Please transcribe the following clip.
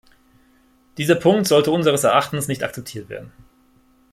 Dieser Punkt sollte unseres Erachtens nicht akzeptiert werden.